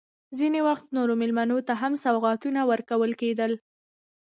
ځینې وخت نورو مېلمنو ته هم سوغاتونه ورکول کېدل.